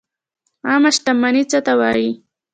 عامه شتمني څه ته وایي؟